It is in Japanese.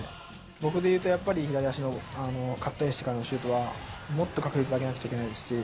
僕でいうと、やっぱり、左足のカットインしてからのシュートは、もっと確率上げなくちゃいけないですし。